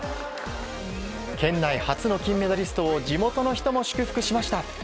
県内初の金メダリストを地元の人も祝福しました。